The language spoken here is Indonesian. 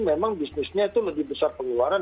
memang bisnisnya itu lebih besar pengeluaran